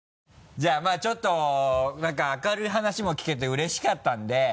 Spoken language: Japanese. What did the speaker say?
じゃあちょっと明るい話も聞けてうれしかったんで。